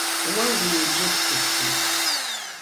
О уеджэ тхылъым.